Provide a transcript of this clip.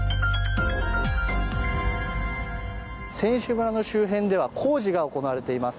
選手村の周辺では工事が行われています。